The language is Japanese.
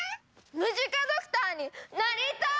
ムジカドクターになりたい！